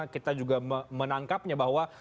kita juga menangkapnya bahwa